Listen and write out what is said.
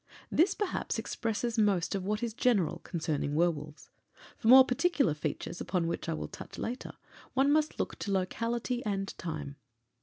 This, perhaps, expresses most of what is general concerning werwolves. For more particular features, upon which I will touch later, one must look to locality and time.